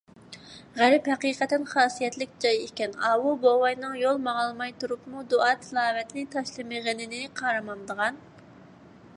غەرب ھەقىقەتەن خاسىيەتلىك جاي ئىكەن، ئاۋۇ بوۋاينىڭ يول ماڭالماي تۇرۇپمۇ دۇئا - تىلاۋەتنى تاشلىمىغىنىنى قارىمامدىغان!